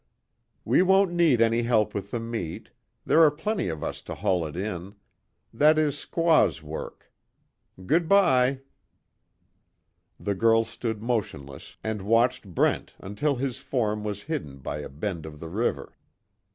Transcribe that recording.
"We won't need any help with the meat. There are plenty of us to haul it in. That is squaw's work, Good bye." The girl stood motionless and watched Brent until his form was hidden by a bend of the river.